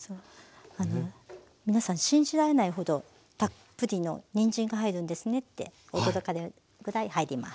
皆さん信じられないほどたっぷりのにんじんが入るんですねって驚かれるぐらい入ります。